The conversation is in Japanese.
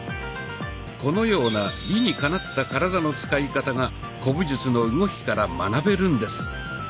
このような理にかなった体の使い方が古武術の動きから学べるんです。